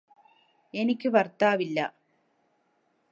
എനിക്ക് ഭർത്താവില്ലാ